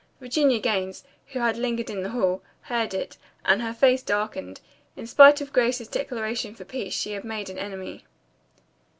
Virginia Gaines, who had lingered in the hall, heard it, and her face darkened. In spite of Grace's declaration for peace she had made an enemy.